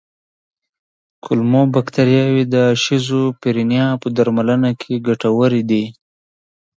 کولمو بکتریاوې د شیزوفرینیا په درملنه کې ګټورې دي.